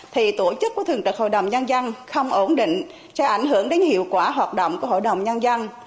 thì tổ chức của thường trực hội đồng nhân dân không ổn định sẽ ảnh hưởng đến hiệu quả hoạt động của hội đồng nhân dân